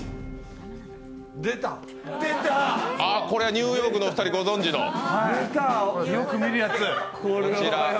これはニューヨークのお二人ご存じの。